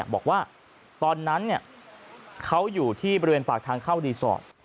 บอกว่าตอนนั้นเขาอยู่ที่บริเวณปากทางเข้ารีสอร์ท